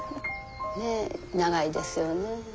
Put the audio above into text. ねえ長いですよね。